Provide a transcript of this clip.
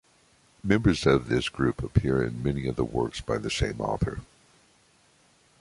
Members of this group appear in many of the works by the same author.